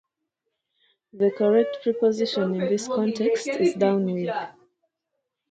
The correct preposition in this context is "down with".